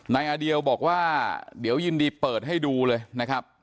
อเดียวบอกว่าเดี๋ยวยินดีเปิดให้ดูเลยนะครับ